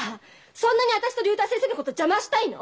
そんなに私と竜太先生のこと邪魔したいの！？